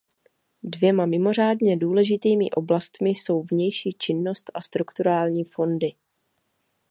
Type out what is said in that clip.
Dvěma mimořádně důležitými oblastmi jsou vnější činnost a strukturální fondy.